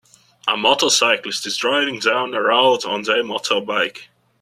A motorcyclist is driving down a road on their motorbike.